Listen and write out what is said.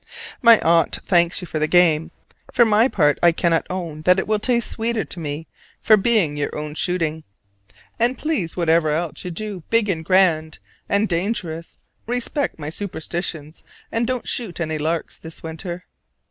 My Aunt thanks you for the game: for my part I cannot own that it will taste sweeter to me for being your own shooting. And please, whatever else you do big and grand and dangerous, respect my superstitions and don't shoot any larks this winter.